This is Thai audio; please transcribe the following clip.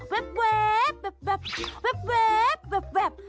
เว็บเว็บเว็บเว็บเว็บเว็บเว็บ